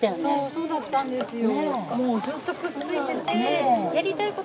そうだったんですよ。